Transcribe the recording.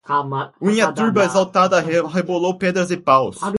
Unha turba exaltada arrebolou pedras e paus.